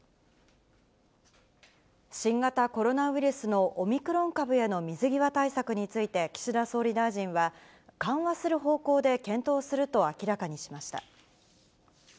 新型コロナウイルスのオミクロン株への水際対策について、岸田総理大臣は、緩和する方向で検討すると明らかにしました。